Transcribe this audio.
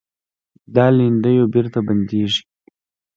دا لیندیو بېرته بندېږي.